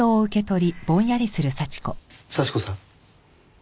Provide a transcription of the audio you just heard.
幸子さん？